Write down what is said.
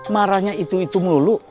marahnya itu itu melulu